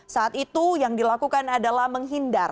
saat itu yang dilakukan adalah menghindar